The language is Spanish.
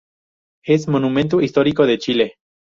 Es monumento histórico de Chile.